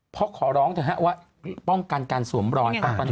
เพราะขอร้องเถอะฮะว่าป้องกันการสวมรอย